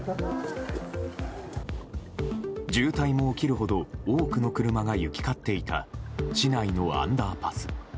渋滞も起きるほど多くの車が行き交っていた市内のアンダーパス。